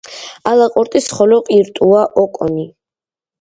ალაყურტის ხოლო ყირტუა ოკონი